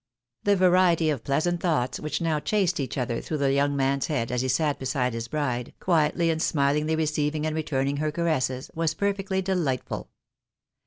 The variety of pleasant thoughts which now chased each other through the young man's head as he sat beside his bride, quietly and smiUngly receiving and returning her caresses, was perfectly delightful.